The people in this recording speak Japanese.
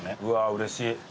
うわうれしい。